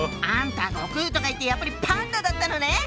あんた悟空とかいってやっぱりパンダだったのね！